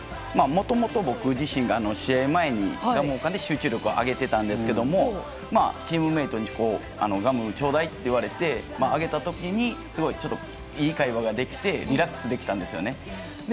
もともと、僕自身が試合前にガムを噛んで、集中力を上げてたんですけども、まあチームメートにガムちょうだいって言われて、あげたときに、すごいちょっといい会話ができて、リラックスできたんですよね。